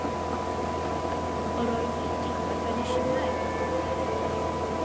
Yr oedd un dyn ar ben y simnai.